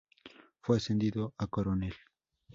Fue ascendido a coronel.